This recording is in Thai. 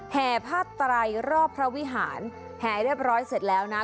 แห่ผ้าไตรรอบพระวิหารแห่เรียบร้อยเสร็จแล้วนะ